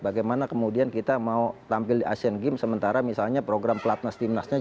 bagaimana kemudian kita mau tampil di asian games sementara misalnya program platnas timnasnya juga belum kelihatan